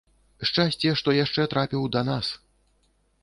Шчасце, што яшчэ трапіў да нас.